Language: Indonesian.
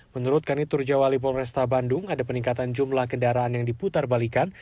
menurut kani turjawali polresta bandung ada peningkatan jumlah kendaraan yang diputar balikan